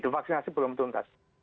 vaksinasi belum tuntas